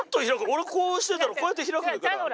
俺こうしてたらこうやって開くから。